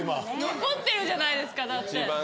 残ってるじゃないですかだって。